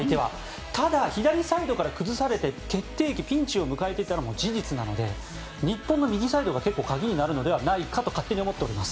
ただ、左サイドから崩されてピンチを迎えていたのも事実なので日本の右サイドが結構、鍵になるのではないかと勝手に思っております。